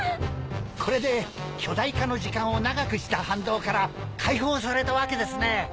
これで巨大化の時間を長くした反動から解放されたわけですね。